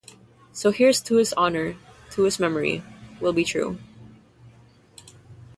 So here's to his honor to his memory we'll be true.